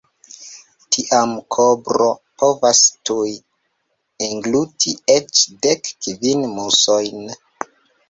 Tiam kobro povas tuj engluti eĉ dek kvin musojn.